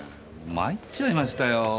まいっちゃいましたよ。